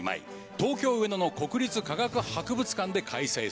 東京・上野の国立科学博物館で開催されます。